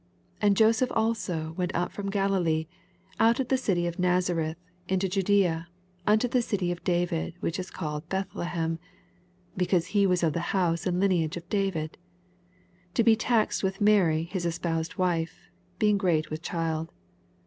4 And Joseph also went up from GaJilee, out of the city of Nazareth, into Jadsea. nnto the city of David, which is called Bethlehem ; (beoaose he was of the hooae and Jneago of David :) 5 To be taxed with Marv his es poused wife, being great with child.